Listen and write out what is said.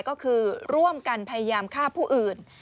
ก็คือร่วมกันพยายามฆ่าผู้อื่น